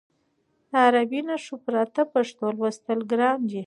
د عربي نښو پرته پښتو لوستل ګران دي.